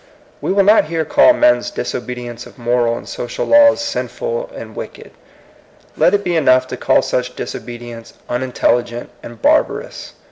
We will not here call men's disobedience of moral and social laws sinful and wicked ; let it be enough to call such disobedience unintelligent and barba rous.